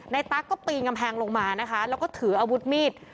ตั๊กก็ปีนกำแพงลงมานะคะแล้วก็ถืออาวุธมีด